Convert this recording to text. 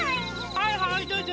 はいはいどうぞ。